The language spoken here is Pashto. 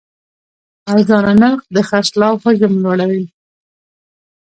ارزانه نرخ د خرڅلاو حجم لوړوي.